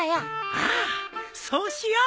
ああそうしよう。